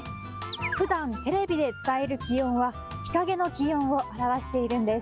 ふだんテレビで伝える気温は、日陰の気温を表しているんです。